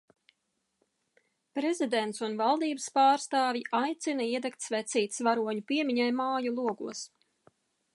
Prezidents un valdības pārstāvji aicina iedegt svecītes varoņu piemiņai māju logos.